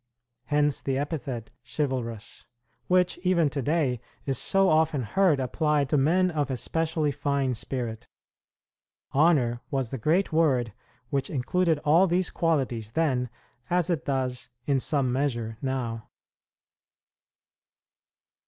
Hence the epithet, "chivalrous," which, even to day, is so often heard applied to men of especially fine spirit. "Honor" was the great word which included all these qualities then, as it does in some measure now.